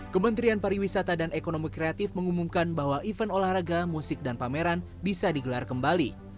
kementerian pariwisata dan ekonomi kreatif mengumumkan bahwa event olahraga musik dan pameran bisa digelar kembali